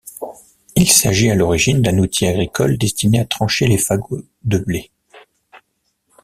Il s'agit à l'origine d'un outil agricole destiné à trancher les fagots de blés.